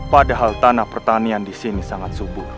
padahal tanah pertanian disini sangat subur